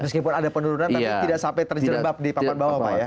meskipun ada penurunan tapi tidak sampai terjerembab di papan bawah pak ya